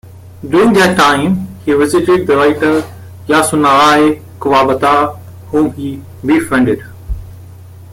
During that time, he visited the writer Yasunari Kawabata, whom he befriended.